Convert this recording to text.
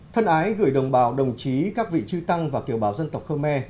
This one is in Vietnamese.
thân ái gửi đồng bào đồng chí các vị trư tăng và kiều bào dân tộc khơ me